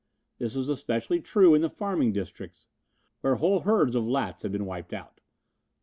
This was especially true in the farming districts, where whole herds of lats had been wiped out.